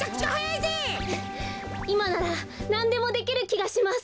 いまならなんでもできるきがします。